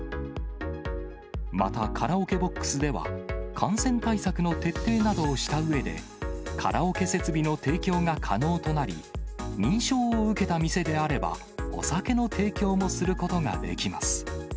またカラオケボックスでは、感染対策の徹底などをしたうえで、カラオケ設備の提供が可能となり、認証を受けた店であればお酒の提供もすることができます。